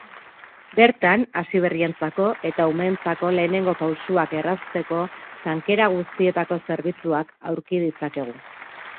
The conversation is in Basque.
Bertan hasiberrientzako eta umeentzako lehenengo pausuak errazteko tankera guztietako zerbitzuak aurki ditzakegu.